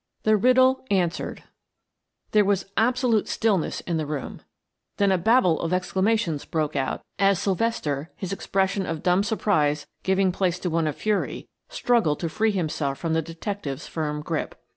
THE RIDDLE ANSWERED There was absolute stillness in the room; then a babble of exclamations broke out as Sylvester, his expression of dumb surprise giving place to one of fury, struggled to free himself from the detective's firm grip.